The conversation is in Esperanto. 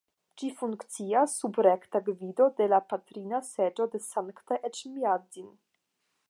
Ĝi funkcias sub rekta gvido de la Patrina Seĝo de Sankta Eĉmiadzin.